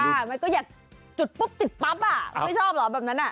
มันก็อยากจุดปุ๊บติดปั๊บอ่ะไม่ชอบเหรอแบบนั้นอ่ะ